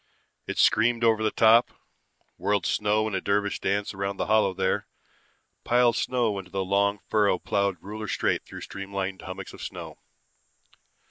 It screamed over the top, whirled snow in a dervish dance around the hollow there, piled snow into the long furrow plowed ruler straight through streamlined hummocks of snow.